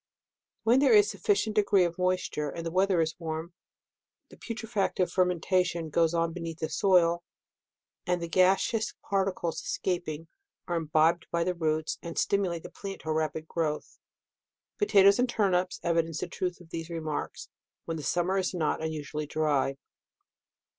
When there is a sufficient degree of mois ture, and the weather is warm, the putrefac tive fermentation goes on beneath the soil, and the gasseous particles escaping, are im bibed by the roots, and stimulate the plants to a rapid growth. Potatoes and turnips evince the truth of these remarks, when the summer is not unusually dry.